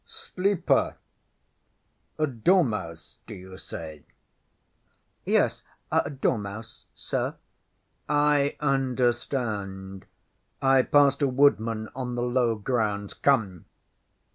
ŌĆÖ ŌĆśSleeper? A DORMEUSE, do you say? ŌĆÖ ŌĆśYes, a dormouse, Sir.ŌĆÖ ŌĆśI understand. I passed a woodman on the low grounds. Come!